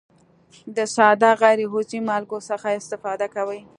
د ساده غیر عضوي مالګو څخه استفاده کوي.